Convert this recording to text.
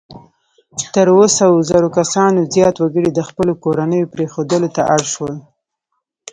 تر اووه سوه زره کسانو زیات وګړي د خپلو کورنیو پرېښودلو ته اړ شول.